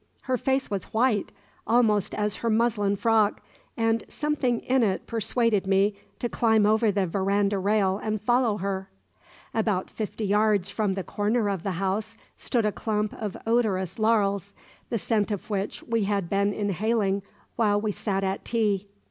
Her face was white, almost as her muslin frock, and something in it persuaded me to climb over the verandah rail and follow her. About thirty yards from the corner of the house stood a clump of odorous laurels, the scent of which we had been inhaling while we sat at tea.